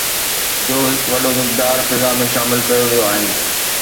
جو هڪ وڏو مقدار فضا ۾ شامل ڪيو ويو آهي